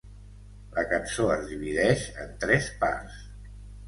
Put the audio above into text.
La cançó es divideix en tres parts.